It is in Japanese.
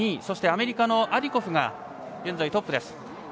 そしてアメリカのアディコフが現在トップ。